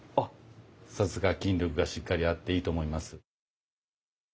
さすが筋力がしっかりあっていいと思います。